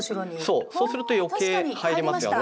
そうそうすると余計入りますよね。